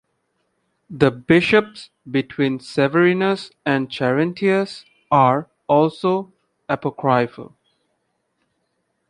The bishops between Severinus and Charentius are also apocryphal.